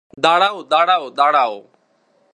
দাঁড়াও, দাঁড়াও, দাঁড়াও!